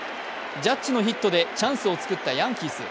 ジャッジのヒットでチャンスを作ったヤンキース。